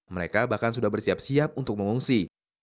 mereka bahkan sudah bersiap siap untuk mengungsi